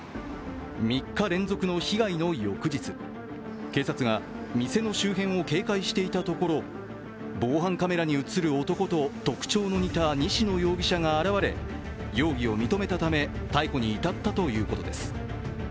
３日連続の被害の翌日、警察が店の周辺を警戒していたところ防犯カメラに映る男と特徴の似た西野容疑者が現れ容疑を認めたため逮捕に至ったということです。